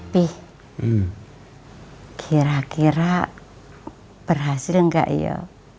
bi kira kira berhasil gak yo